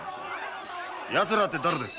「奴ら」って誰です？